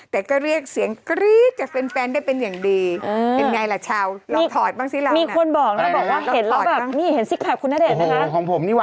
แต่ก็เรียกเสียงรี๊ดแค่เพ้นได้เป็นอย่างดี